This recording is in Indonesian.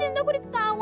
nanti aku diketawain